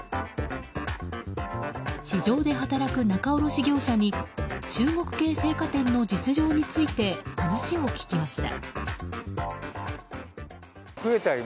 市場で働く仲卸業者に中国系青果店の実情について話を聞きました。